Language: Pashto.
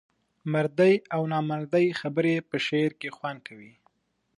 مردۍ او نامردۍ خبري په شعر کې خوند کوي.